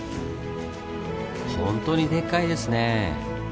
ほんとにでっかいですね！